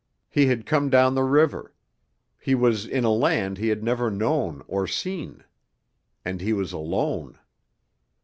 He had come down the river. He was in a land he had never known or seen. And he was alone.